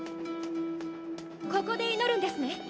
ここで祈るんですね？